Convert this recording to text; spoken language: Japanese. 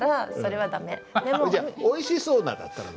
じゃあ「おいしそうな」だったら？